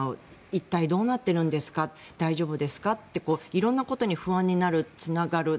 一体どうなっているんですか大丈夫ですかと色んなことに不安になる、つながる。